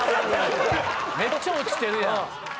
めっちゃ落ちてるやん。